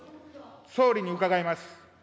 総理に伺います。